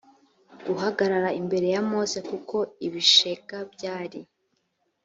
guhagarara imbere ya mose kuko ibishega byari